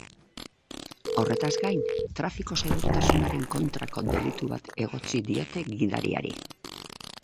Horretaz gain, trafiko-segurtasunaren kontrako delitu bat egotzi diote gidariari.